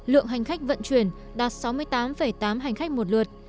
lượng hành khách vận chuyển đạt sáu mươi tám tám hành khách một lượt